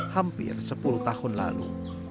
hampir sepuluh tahun lalu